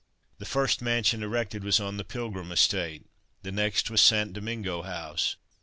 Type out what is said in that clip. The first mansion erected was on the Pilgrim Estate; the next was St. Domingo House.